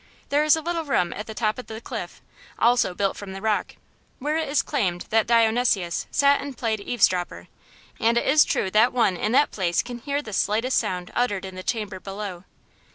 There is a little room at the top of the cliff, also built from the rock, where it is claimed Dionysius sat and played eavesdropper; and it is true that one in that place can hear the slightest sound uttered in the chamber below.